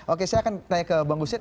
oke saya akan tanya ke bang gusit